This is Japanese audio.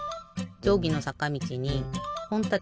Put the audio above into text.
じょうぎのさかみちにほんたてとけしごむ。